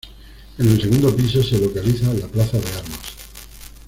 En el segundo piso, se localiza la Plaza de Armas.